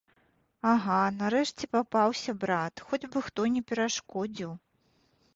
Ага, нарэшце папаўся, брат, хоць бы хто не перашкодзіў.